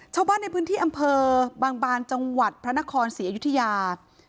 ชาวบ้านในพื้นที่อำเภอบางบานจังหวัดพระนครศรีอยุธยา